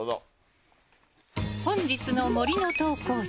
本日の森の投稿者